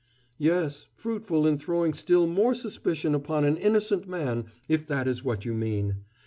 "Yes, fruitful in throwing still more suspicion upon an innocent man, if that is what you mean.